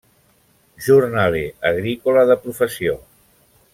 Jornaler agrícola de professió.